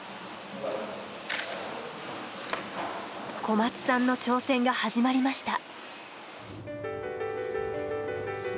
小松さんの挑戦が始まりました。